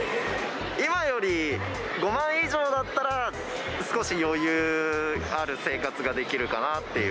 今より５万以上だったら、少し余裕ある生活ができるかなっていう。